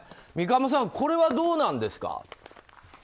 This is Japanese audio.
三鴨さんこれはどうなんですか。